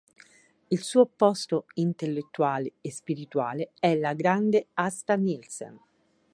Il suo opposto intellettuale e spirituale è la grande Asta Nielsen.